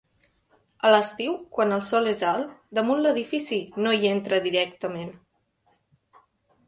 A l'estiu, quan el sol és alt, damunt l'edifici, no hi entra directament.